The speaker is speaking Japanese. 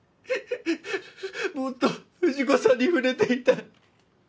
もっと藤子さんに触れていたい。